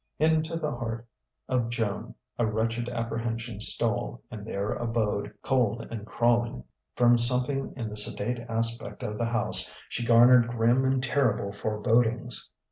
Into the heart of Joan a wretched apprehension stole and there abode, cold and crawling. From something in the sedate aspect of the house she garnered grim and terrible forebodings.